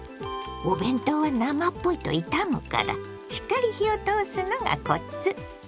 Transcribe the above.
お弁当は生っぽいといたむからしっかり火を通すのがコツ。